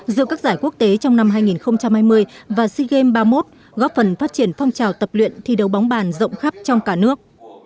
giữa các giải quốc tế trong năm hai nghìn hai mươi và sea games ba mươi một góp phần phát triển phong trào tập luyện thi đấu bóng bàn rộng khắp trong cả nước